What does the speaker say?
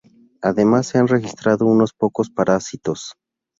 Además se han registrado unos pocos parásitos.